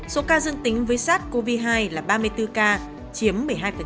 số ca dân tính với sát covid hai là ba mươi bốn ca chiếm một mươi hai